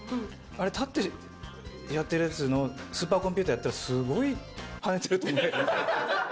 あれ立ってやってるやつのスーパーコンピューターやったら、すごいはねてると思う。